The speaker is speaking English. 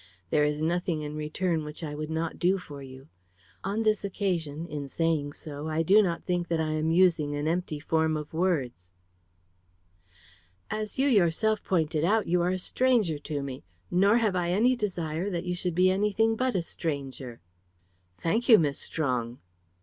There is nothing in return which I would not do for you. On this occasion in saying so I do not think that I am using an empty form of words." "As you yourself pointed out, you are a stranger to me; nor have I any desire that you should be anything but a stranger." "Thank you, Miss Strong."